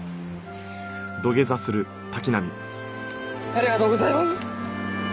ありがとうございます。